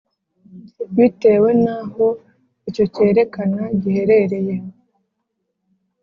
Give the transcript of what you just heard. bitewe n’aho icyo kerekana giherereye.